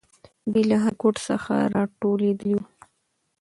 دوی له هر ګوټ څخه راټولېدلې وو.